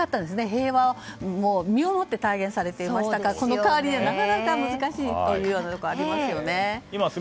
平和を身をもって体現されていましたからその代わりはなかなか難しいというのはあると思います。